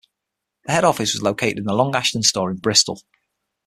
The head office was located at the Long Ashton Store in Bristol.